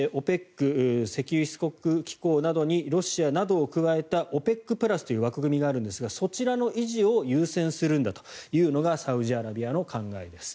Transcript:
ＯＰＥＣ・石油輸出国機構などにロシアなどを加えたＯＰＥＣプラスという枠組みがあるんですがそちらの維持を優先するんだというのがサウジアラビアの考えです。